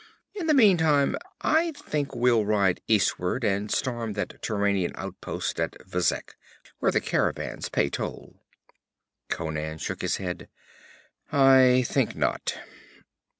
In the meantime, I think we'll ride eastward and storm that Turanian outpost at Vezek, where the caravans pay toll.' Conan shook his head. 'I think not.'